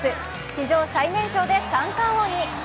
史上最年少で三冠王に。